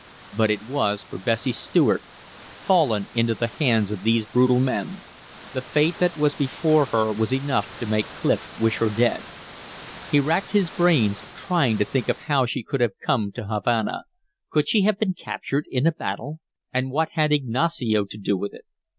But it was for Bessie Stuart, fallen into the hands of these brutal men. The fate that was before her was enough to make Clif wish her dead. He racked his brains trying to think of how she could have come to Havana; could she have been captured in a battle? And what had Ignacio to do with it?